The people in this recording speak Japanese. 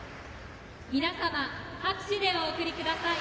皆様、拍手でお送りください。